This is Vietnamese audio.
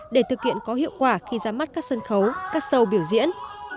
để thực hiện có hiệu quả khi ra mắt các sân khấu các show biểu diễn